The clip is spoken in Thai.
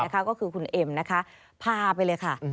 ก็คือคุณเอ็มนะคะพาไปเลยค่ะ